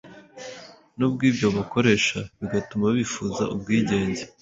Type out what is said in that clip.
n'ubw'ibyo bubakoresha, bigatuma bifuza ubwigenge.